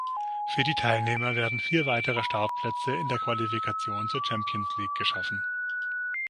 Für die Teilnehmer werden vier weitere Startplätze in der Qualifikation zur Champions League geschaffen.